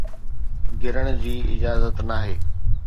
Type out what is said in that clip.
گرڻ جي اجازت ناهي